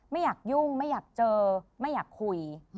ไม่อยากยุ่งไม่อยากเจอไม่อยากคุย